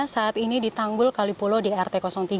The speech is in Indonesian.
saat ini di tanggul kali puluh di rt tiga enam